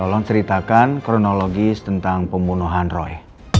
tolong ceritakan kronologis tentang pembunuhan roy